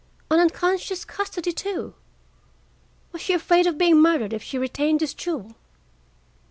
An unconscious custody, too? Was she afraid of being murdered if she retained this jewel?"